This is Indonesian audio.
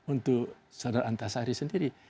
untuk saudara antasari sendiri